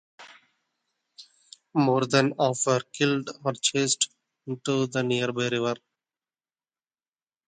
More than half were killed or chased into the nearby river.